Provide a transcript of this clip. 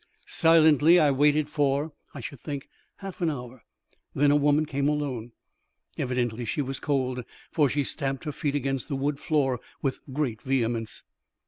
Silently I waited for, I should think, half an hour; then a woman came alone. Evidently she was cold, for she stamped her feet against the wood floor with great vehemence.